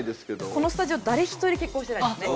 このスタジオ誰一人結婚してないですね。